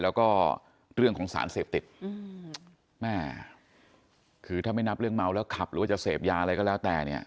แล้วก็เรื่องของสารเสพติดอืมแม่คือถ้าไม่นับเรื่องเมาแล้วขับหรือว่าจะเสพยาอะไรก็แล้วแต่เนี่ย